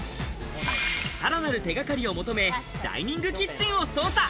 さらなる手がかりを求めダイニングキッチンを捜査。